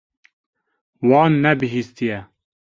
Wan nebihîstiye.